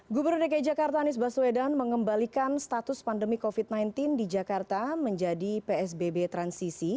gubernur dki jakarta anies baswedan mengembalikan status pandemi covid sembilan belas di jakarta menjadi psbb transisi